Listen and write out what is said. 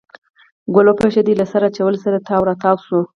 ګلی وپشېده له سر اچولو سره تاو راتاو شو.